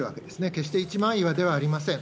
決して一枚岩ではありません。